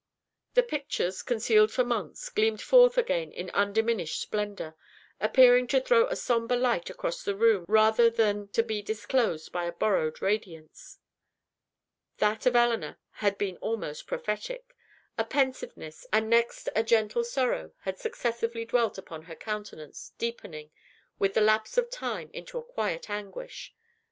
The pictures, concealed for months, gleamed forth again in undiminished splendor, appearing to throw a sombre light across the room rather than to be disclosed by a borrowed radiance. That of Elinor had been almost prophetic. A pensiveness, and next a gentle sorrow, had successively dwelt upon her countenance, deepening, with the lapse of time, into a quiet anguish.